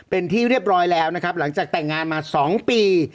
เป็นที่เรียบร้อยแล้วนะครับหลังจากแต่งงานมา๒ปี